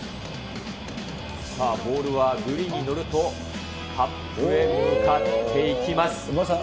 ボールはグリーンに乗るとカップへ向かっていきます。